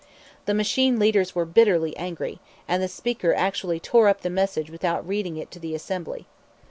The machine leaders were bitterly angry, and the Speaker actually tore up the message without reading it to the Assembly.